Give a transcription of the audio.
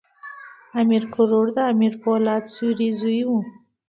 امیر کروړ د امیر پولاد سوري زوی وو.